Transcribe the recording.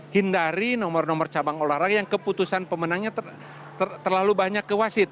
hindari nomor nomor cabang olahraga yang keputusan pemenangnya terlalu banyak ke wasit